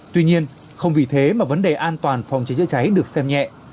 tuy nhiên không vì thế mà vấn đề an toàn phòng cháy chữa cháy được xem nhẹ